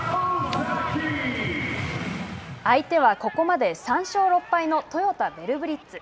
相手はここまで３勝６敗のトヨタヴェルブリッツ。